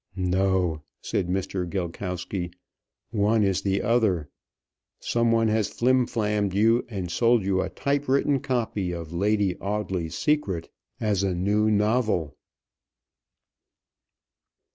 "No," said Mr. Gilkowsky, "one is the other. Some one has flimflammed you and sold you a typewritten copy of 'Lady Audley's Secret' as a new novel."